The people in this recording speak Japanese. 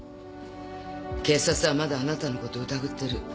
警察はまだあなたのこと疑ってる。